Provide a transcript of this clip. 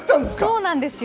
そうなんですよ。